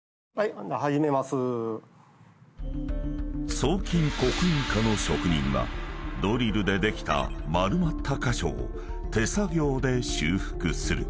［装金極印課の職人はドリルでできた丸まった箇所を手作業で修復する］